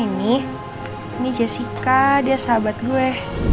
ini jessica dia sahabat gue